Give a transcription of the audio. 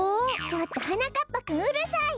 ちょっとはなかっぱくんうるさい！